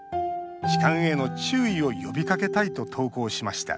痴漢への注意を呼びかけたいと投稿しました。